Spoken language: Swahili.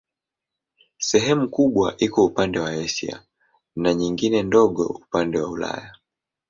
Sehemu kubwa iko upande wa Asia na nyingine ndogo upande wa Ulaya.